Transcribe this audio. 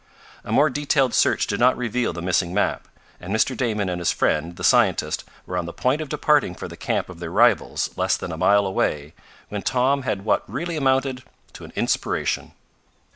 A more detailed search did not reveal the missing map, and Mr. Damon and his friend the scientist were on the point of departing for the camp of their rivals, less than a mile away, when Tom had what really amounted to an inspiration.